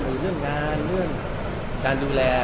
มีเรื่องงานเรื่องการดูแล